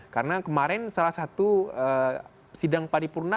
karena kemarin salah satu sidang paripurna